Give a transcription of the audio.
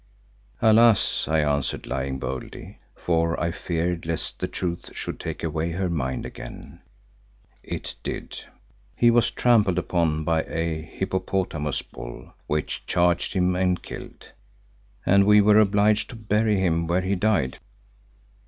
"Alas!" I answered, lying boldly, for I feared lest the truth should take away her mind again, "it did. He was trampled upon by a hippopotamus bull, which charged him, and killed, and we were obliged to bury him where he died."